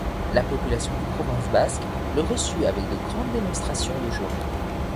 La population des provinces basques le reçut avec de grandes démonstrations de joie.